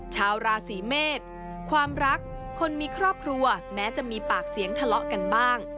ชาวราศีเมษความรักคนมีครอบครัวแม้จะมีปากเสียงทะเลาะกันบ้าง